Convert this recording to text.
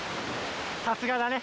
さすがだね